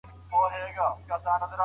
قلمي خط د نوي نسل د ویښتیا نښه ده.